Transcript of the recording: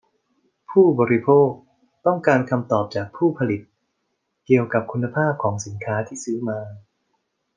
ผู้บริโภคต้องการคำตอบจากผู้ผลิตเกี่ยวกับคุณภาพของสินค้าที่ซื้อมา